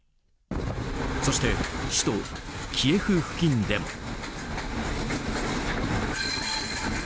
そして、首都キエフ付近でも。